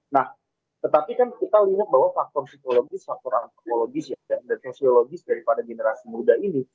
nah tetapi kan kita lihat bahwa faktor psikologis faktor antekologis ya dan sosiologis daripada generasi muda ini